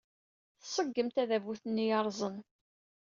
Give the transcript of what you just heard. Tṣeggem tadabut-nni yerrẓen.